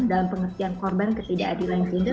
dalam pengertian korban ketidakadilan finder